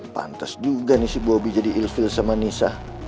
pantes juga nih si bobby jadi ilfil sama nisa